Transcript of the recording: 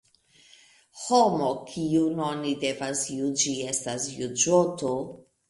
Homo, kim oni devas juĝi, estas juĝoto.